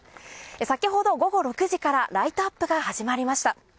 先ほど午後６時からライトアップが始まりました。